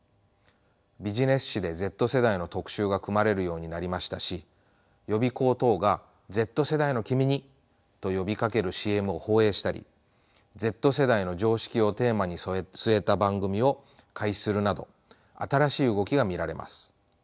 ビジネス誌でＺ世代の特集が組まれるようになりましたし予備校等が「Ｚ世代のキミに」と呼びかけるＣＭを放映したりＺ世代の常識をテーマに据えた番組を開始するなど新しい動きが見られます。